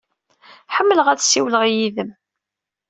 Ḥemmleɣ ad ssiwleɣ yid-m.